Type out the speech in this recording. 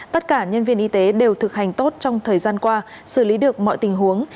tất cả nhân viên y tế đều thực hành tốt trong thời gian qua xử lý được mọi tình huống